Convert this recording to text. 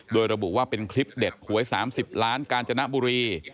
โดยระบุว่าเป็นคลิปเด็ดหวย๓๐ล้านกาญจนบุรี